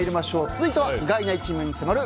続いては意外な一面に迫る